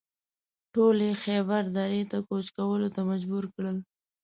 ټول یې خیبر درې ته کوچ کولو ته مجبور کړل.